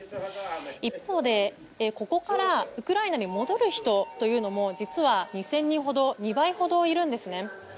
一方、ここからウクライナに戻る人というのも実は２０００人ほど２倍いるんですね。